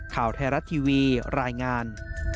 ข่าวไทยรัฐทีวีรายงาน